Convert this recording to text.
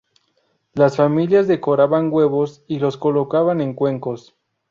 Las familias decoraban huevos y los colocaban en cuencos.